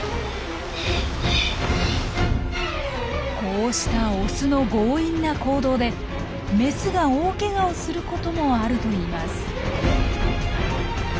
こうしたオスの強引な行動でメスが大ケガをすることもあるといいます。